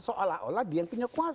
seolah olah dia yang punya kekuasaan